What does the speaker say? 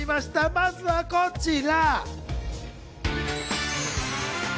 まずはこちら。